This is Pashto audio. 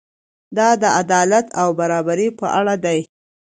دا د عدالت او برابرۍ په اړه دی.